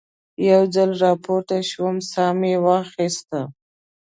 یو ځل را پورته شوم، ساه مې واخیسته.